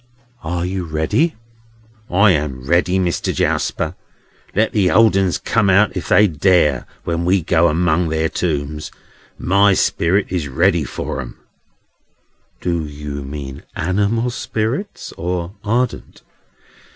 "Are you ready?" "I am ready, Mister Jarsper. Let the old 'uns come out if they dare, when we go among their tombs. My spirit is ready for 'em." "Do you mean animal spirits, or ardent?"